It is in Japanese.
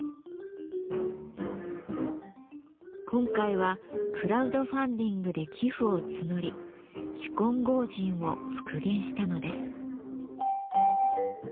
今回はクラウドファンディングで寄付を募り執金剛神を復元したのです。